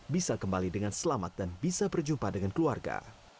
bisa kembali dengan selamat dan bisa berjumpa dengan keluarga